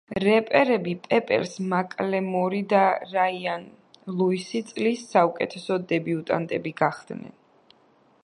რეპერები პეპერს მაკლემორი და რაიან ლუისი წლის საუკეთესო დებიუტანტები გახდნენ.